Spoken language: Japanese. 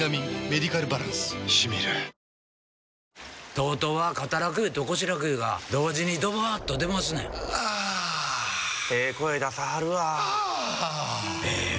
ＴＯＴＯは肩楽湯と腰楽湯が同時にドバーッと出ますねんあええ声出さはるわあええ